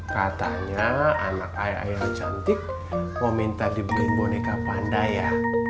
katanya anak ai ai yang cantik mau minta dibeli boneka panda ya